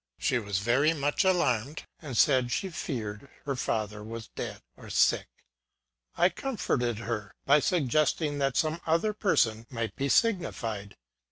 She was very much alarmed, and said she feared her father was dead, or sick. I comforted her by suggesting that some other person might be signified.